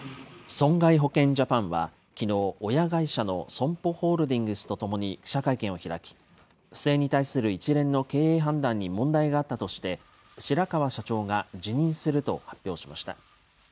損害保険ジャパンはきのう、親会社のＳＯＭＰＯホールディングスと共に記者会見を開き、不正に対する一連の経営判断に問題があったとして、白川社長が辞任すると発表しました。